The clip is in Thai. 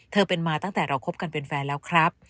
เป็นมาตั้งแต่เราคบกันเป็นแฟนแล้วครับ